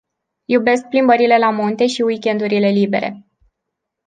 Iubesc plimbările la munte și weekendurile libere.